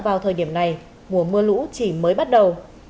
vào thời điểm này mùa mưa lũ chỉ mới bắt đầu